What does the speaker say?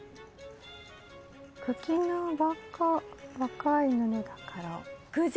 茎の若若い布だから。